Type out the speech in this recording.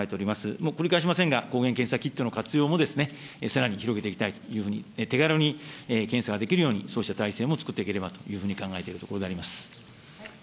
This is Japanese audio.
もう繰り返しませんが、抗原検査キットの活用もさらに広げていきたいというふうに、手軽に検査ができるように、そうした体制も作っていければと考えているところであります。